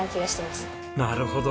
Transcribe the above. なるほど。